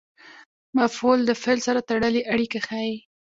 مفعول د فعل سره تړلې اړیکه ښيي.